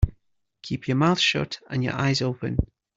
Keep your mouth shut and your eyes open.